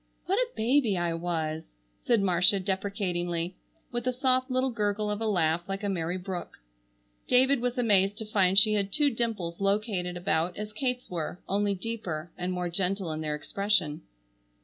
"What a baby I was!" said Marcia deprecatingly, with a soft little gurgle of a laugh like a merry brook. David was amazed to find she had two dimples located about as Kate's were, only deeper, and more gentle in their expression.